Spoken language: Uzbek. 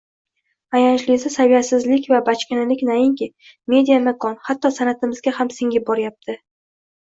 Ayanchlisi, saviyasizlik va bachkanalik nainki media makon, hatto san`atimizga ham singib boryapti